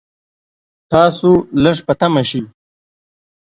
تاسو لږ په طمعه شئ.